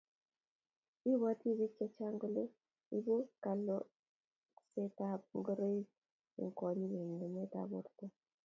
ibwoti biik chechang kole ibuu kaloksetab ngoroik eng kwonyik ng'emet nebo borto